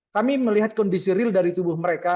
kami melihat kondisi real dari tubuh mereka